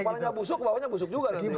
kepalanya busuk bawahnya busuk juga